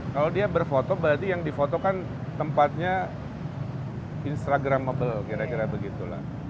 kalau dia berfoto berarti yang difoto kan tempatnya instagramable kira kira begitulah